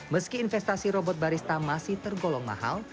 meski investasi robot barista masih tergolong mahal